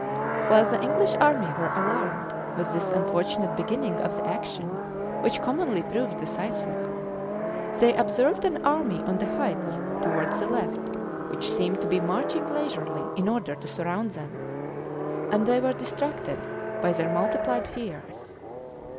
While the English army were alarmed with this unfortunate beginning of the action, which commonly proves decisive, they observed an army on the heights towards the left, which seemed to be marching leisurely in order to surround them; and they were distracted by their multiplied fears.